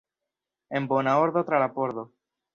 En bona ordo tra la pordo!